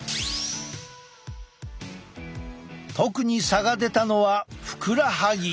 特に差が出たのはふくらはぎ。